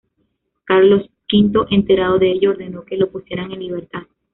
Carlos V, enterado de ello, ordenó que lo pusieran en libertad.